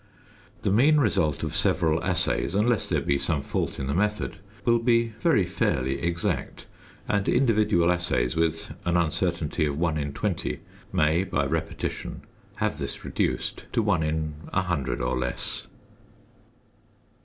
The mean result of several assays, unless there be some fault in the method, will be very fairly exact; and individual assays, with an uncertainty of 1 in 20, may, by repetition, have this reduced to 1 in 100 or less.